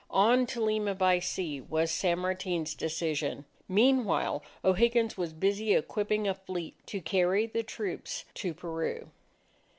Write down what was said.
"On to Lima by sea," was San Martin's decision. Meanwhile, O'Higgins was busy equipping a fleet to carry the troops to Peru.